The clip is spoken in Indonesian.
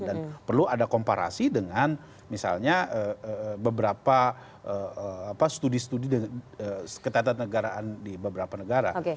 dan perlu ada komparasi dengan misalnya beberapa studi studi ketatan negaraan di beberapa negara